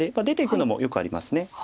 出ていくのもよくあります。